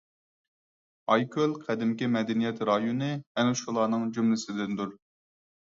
ئايكۆل قەدىمكى مەدەنىيەت رايونى ئەنە شۇلارنىڭ جۈملىسىدىندۇر.